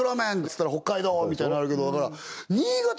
つったら北海道みたいのあるけど新潟